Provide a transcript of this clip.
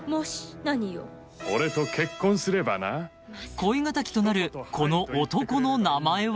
［恋敵となるこの男の名前は？］